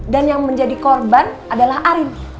dan yang menjadi korban adalah arin